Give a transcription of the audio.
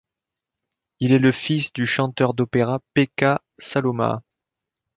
Il est le fils du chanteur d'opéra Pekka Salomaa.